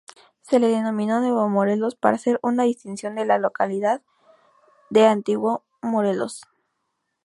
Se le denominó Nuevo Morelos para hacer una distinción del localidad de Antiguo Morelos.